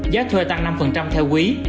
giá thuê tăng năm theo quý